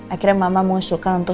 akhirnya mama mengusulkan untuk